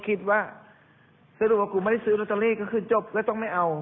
คิดว่าสรุปว่ากูไม่ได้ซื้อลอตเตอรี่ก็คือจบแล้วต้องไม่เอา